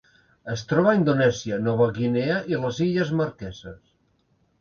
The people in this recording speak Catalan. Es troba a Indonèsia, Nova Guinea i les Illes Marqueses.